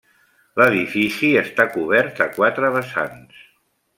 L'edifici està cobert a quatre vessants.